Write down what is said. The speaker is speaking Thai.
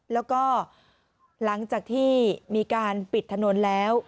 แล้วก็หลังจากที่มีการปิดถนนแล้ว